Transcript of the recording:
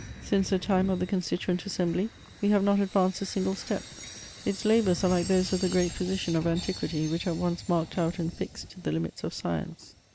Since the time of the Constituent Assembly, we have not advanced a single step ; its labours are like those of the great physician of antiquity, which at once marked out and fixed the limits of science.